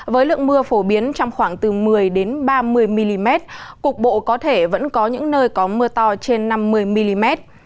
với lượng mưa phổ biến trong khoảng từ một mươi ba mươi mm cục bộ có thể vẫn có những nơi có mưa to trên năm mươi mm